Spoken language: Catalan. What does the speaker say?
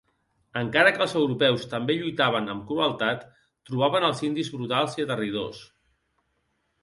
Encara que els europeus també lluitaven amb crueltat, trobaven als indis brutals i aterridors.